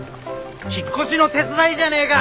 引っ越しの手伝いじゃねえか！